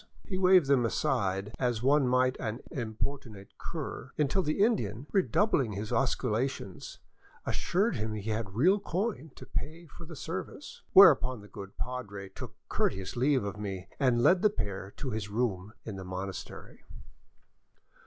He waved them aside as one might an importunate cur, until the Indian, redoubling his osculations, assured him he had real coin to pay for the service, whereupon the good padre took courteous leave of me and led the pair to his room in the monastery.